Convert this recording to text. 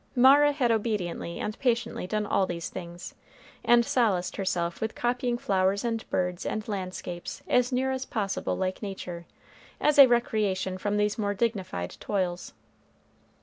Mara had obediently and patiently done all these things; and solaced herself with copying flowers and birds and landscapes as near as possible like nature, as a recreation from these more dignified toils.